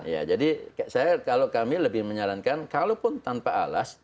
ya jadi saya kalau kami lebih menyarankan kalaupun tanpa alas